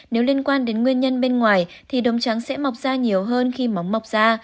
nếu liên quan đến nguyên nhân bên ngoài thì đống trắng sẽ mọc ra nhiều hơn khi móng mọc ra